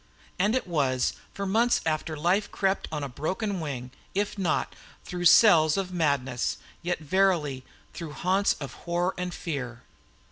As it was, for months after "life crept on a broken wing," if not "through cells of madness," yet verily "through haunts of horror and fear."